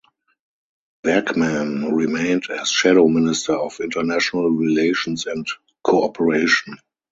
Bergman remained as Shadow Minister of International Relations and Cooperation.